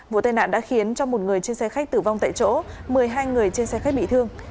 vụ tai nạn đã khiến cho một người trên xe khách tử vong tại chỗ một mươi hai người trên xe khách bị thương